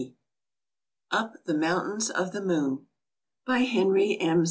AFRICA Up the Mountains of the Moon By HENRY M.